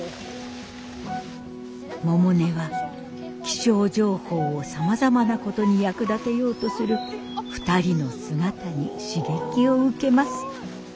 百音は気象情報をさまざまなことに役立てようとする２人の姿に刺激を受けます。